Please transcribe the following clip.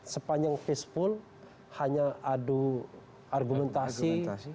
sepanjang facebool hanya adu argumentasi